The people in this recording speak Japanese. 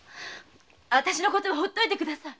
あたしのことはほっといてください！